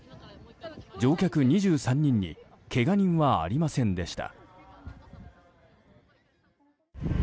乗客２３人にけが人はありませんでした。